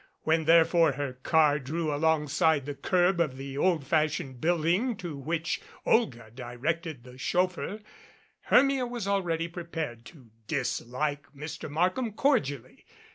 When, therefore, her car drew alongside the curb of the old fashioned building to which Olga directed the chauffeur, Hermia was already prepared to dislike Mr. Markham cordially.